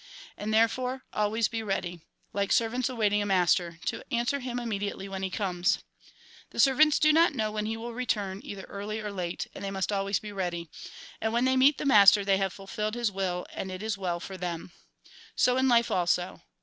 "And therefore always be ready, like servants awaiting a master, to answer him immediately when he comes. The servants do not know when he will return, either early or late, and they must always be ready. And when they meet the master, they have fulfilled his will, and it is well for them. " So in life also.